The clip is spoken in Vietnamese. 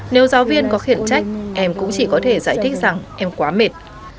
nếu giáo viên có khiển trách em cũng chỉ có thể giải thích rằng em quá mệt